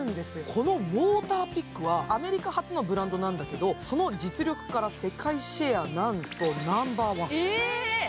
このモーターピックはアメリカ発のブランドなんだけど、その実力から世界シェアなんとナンバーワン。